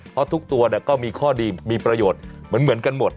เพราะทุกตัวก็มีข้อดีมีประโยชน์เหมือนกันหมด